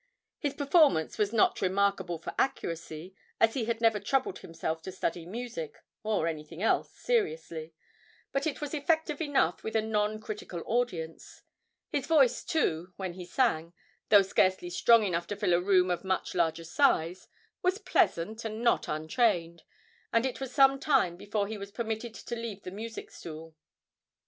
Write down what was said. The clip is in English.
His performance was not remarkable for accuracy, as he had never troubled himself to study music, or anything else, seriously, but it was effective enough with a non critical audience; his voice, too, when he sang, though scarcely strong enough to fill a room of much larger size, was pleasant and not untrained, and it was some time before he was permitted to leave the music stool.